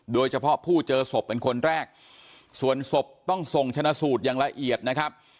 โดยเฉพาะผู้เจอศพเป็นคนแรกส่วนศพต้องส่งชนะสูตรอย่างละเอียดนะครับ